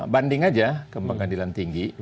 banding aja ke pengadilan tinggi